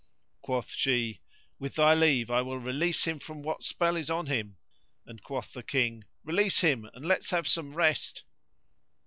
Quoth she, "With thy leave I will release him from what spell is on him;"and quoth the King, "Release him and let's have some rest!"